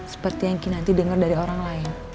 seperti yang ki nanti denger dari orang lain